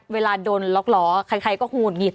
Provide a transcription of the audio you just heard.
เวลาโดนล็อกล้อใครก็หงุดหงิด